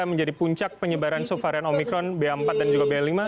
yang menjadi puncak penyebaran subvarian omikron ba empat dan juga b lima